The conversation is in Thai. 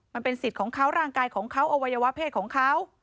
มันเป็นสิทธิ์ของเขาร่างกายของเขาอวัยวะเพศของเขา